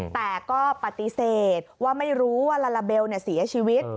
แต่ก็ปฏิเสธว่าไม่รู้ว่าลาลาเบลเสียชีวิต